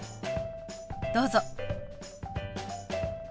どうぞ。